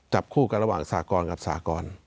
จับคู่กันระหว่างสากรกับสากร